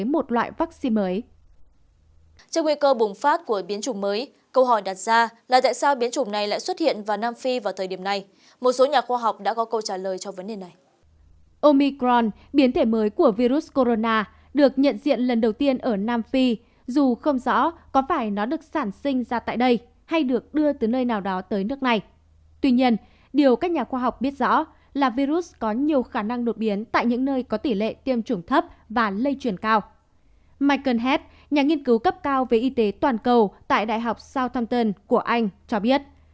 michael head nhà nghiên cứu cấp cao về y tế toàn cầu tại đại học southampton của anh cho biết